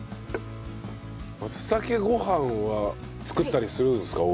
松茸ご飯は作ったりするんですか？